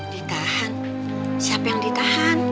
ditahan siapa yang ditahan